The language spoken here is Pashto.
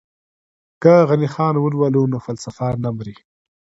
که غني خان ولولو نو فلسفه نه مري.